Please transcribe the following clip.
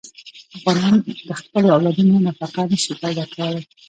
افغانان د خپلو اولادونو نفقه نه شي پیدا کولی.